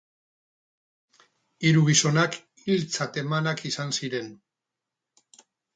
Hiru gizonak hiltzat emanak izan ziren.